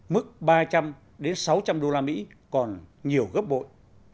mức ba trăm linh đến sáu trăm linh đô la mỹ còn nhiều gấp bội